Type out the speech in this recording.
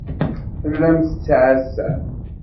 Tellam tettɛassam.